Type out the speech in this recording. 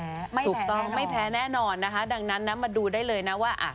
ถูกต้องไม่แพ้แน่นอนนะคะดังนั้นนะมาดูได้เลยนะว่า